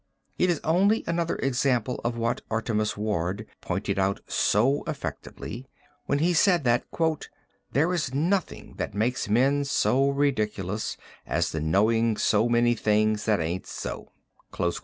It is only another example of what Artemus Ward pointed out so effectively when he said that "there is nothing that makes men so ridiculous as the knowing so many things that aint so."